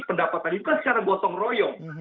pendapatan itu kan secara gotong royong